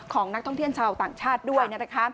ของนักท่องเที่ยวชาวต่างชาติด้วย